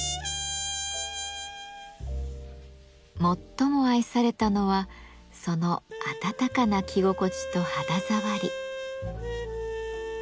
最も愛されたのはその温かな着心地と肌触り。